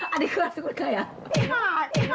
อันนี้เกือบชกูนใครอะ